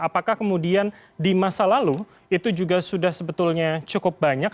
apakah kemudian di masa lalu itu juga sudah sebetulnya cukup banyak